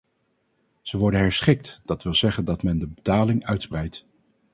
Ze worden herschikt, dat wil zeggen dat men de betaling uitspreidt.